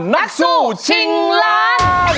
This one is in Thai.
นักสู้ชิงล้าน